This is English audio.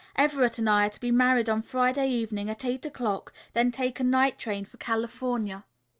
Everett and I are to be married on Friday evening at eight o'clock, then take a night train for California.